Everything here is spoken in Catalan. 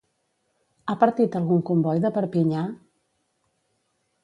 Ha partit algun comboi de Perpinyà?